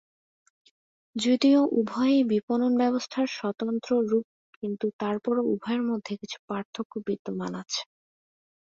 যদিও উভয়ই বিপণন ব্যবস্থার স্বতন্ত্র রূপ কিন্তু তারপরও উভয়ের মধ্যে কিছু পার্থক্য বিদ্যমান আছে।